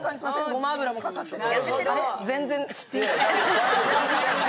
ごま油もかかってて。